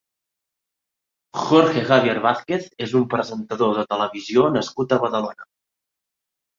Jorge Javier Vázquez és un presentador de televisió nascut a Badalona.